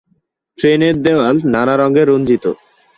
ট্রেনের দেওয়াল নানা রঙে রঞ্জিত।